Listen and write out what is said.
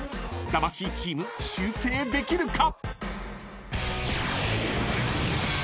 ［魂チーム修正できるか？］